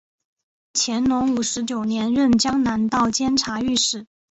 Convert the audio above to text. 乾隆五十九年任江南道监察御史。